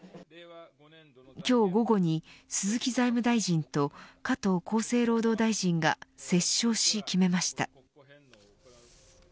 今日午後に鈴木財務大臣と加藤厚生労働大臣が折衝し、決めました。